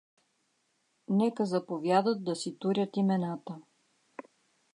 Нека заповядат да си турят имената.